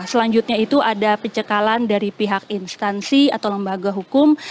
selanjutnya itu ada pencekalan dari pihak instansi atau lembaga hukum